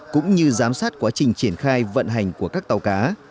cũng như giám sát quá trình triển khai vận hành của các tàu cá